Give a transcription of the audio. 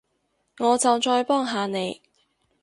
我就再幫下你